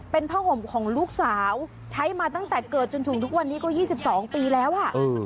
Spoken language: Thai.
เป็นผ้าห่มของลูกสาวใช้มาตั้งแต่เกิดจนถึงทุกวันนี้ก็๒๒ปีแล้วอ่ะ